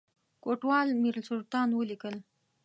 کوټوال میرسلطان ولیکل.